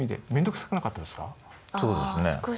少しそうですね。